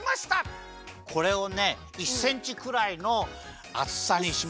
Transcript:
これをね１センチくらいのあつさにします。